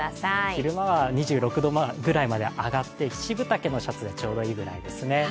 昼間は２６度くらいまで上がって７分丈のシャツぐらいでちょうどいいぐらいですね。